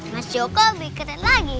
mas joko lebih keren lagi